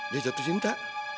dia jatuh cinta